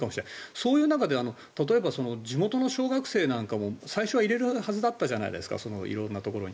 そういう中で例えば地元の小学生なんかも最初は入れるはずだったじゃないですか色んなところに。